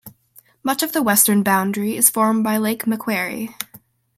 Much of the western boundary is formed by Lake Macquarie.